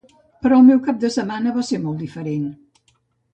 Però el meu cap de setmana va ser molt diferent.